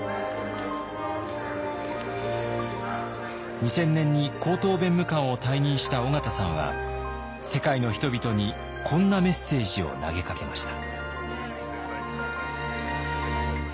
２０００年に高等弁務官を退任した緒方さんは世界の人々にこんなメッセージを投げかけました。